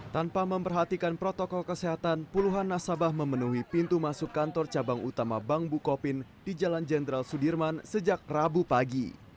tanpa memperhatikan protokol kesehatan puluhan nasabah memenuhi pintu masuk kantor cabang utama bank bukopin di jalan jenderal sudirman sejak rabu pagi